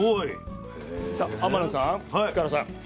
さあ天野さん塚原さん